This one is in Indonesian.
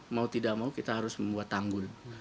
mau tidak mau kita harus membuat tanggul